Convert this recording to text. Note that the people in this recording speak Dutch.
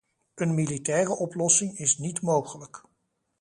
Een militaire oplossing is niet mogelijk.